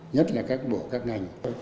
nhất là các bộ các ngành